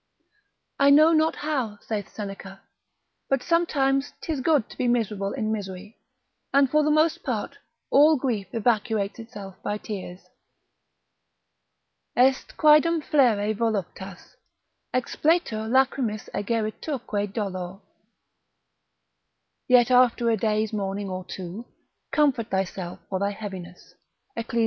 I know not how (saith Seneca) but sometimes 'tis good to be miserable in misery: and for the most part all grief evacuates itself by tears, ———est quaedam flere voluptas, Expletur lachrymis egeriturque dolor: yet after a day's mourning or two, comfort thyself for thy heaviness, Eccles.